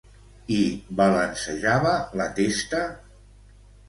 I balancejava la testa?